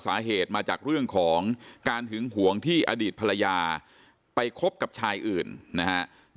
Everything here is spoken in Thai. สาเหตุมาจากเรื่องของการหึงห่วงที่อดีตภรรยาไปคบกับชายอื่นนะฮะ